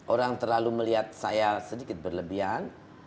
orang terlalu melihat saya sedikit berlebihan